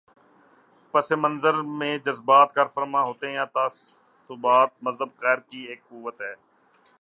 پس منظر میں جذبات کارفرما ہوتے ہیں یا تعصبات مذہب خیر کی ایک قوت ہے۔